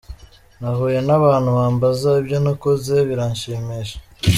Nahuye n’abantu bambaza ibyo nakoze, biranshimisha.